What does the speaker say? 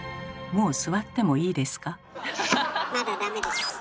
もう座ってもいいですか？